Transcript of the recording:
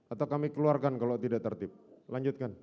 atau kami keluarkan kalau tidak tertib lanjutkan